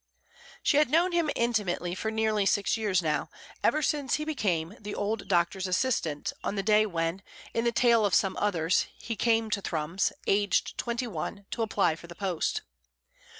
She had known him intimately for nearly six years now, ever since he became the old doctor's assistant on the day when, in the tail of some others, he came to Thrums, aged twenty one, to apply for the post.